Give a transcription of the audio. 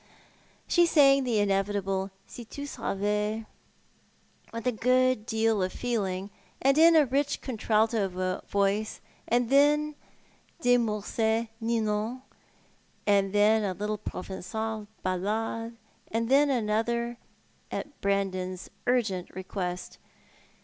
She sang the inevitable " Si tu savais " with a good deal of feeling, and in a rich contralto voice ; and then De Mussct's " Ninon," and then a little Proven(;al ballad, and then another, at Brandon's urgent request.